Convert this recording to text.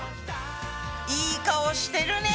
いい顔してるね。